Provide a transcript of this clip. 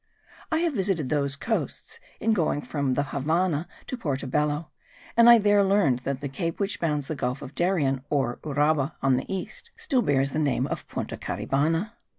I have visited those coasts in going from the Havannah to Porto Bello; and I there learned that the cape which bounds the gulf of Darien or Uraba on the east, still bears the name of Punta Caribana.